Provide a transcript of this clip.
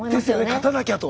勝たなきゃと。